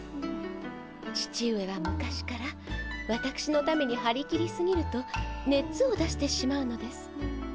父上は昔からわたくしのために張り切りすぎるとねつを出してしまうのです。